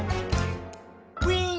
「ウィン！」